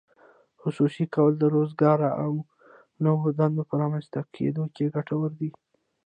خصوصي کول د روزګار او نوو دندو په رامینځته کیدو کې ګټور دي.